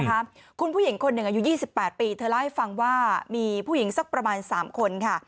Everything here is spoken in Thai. นะคะคุณผู้หญิงคนอายุ๒๘ปีเธอได้ฟังว่ามีผู้หญิงซะประมาณ๓คนค่ะ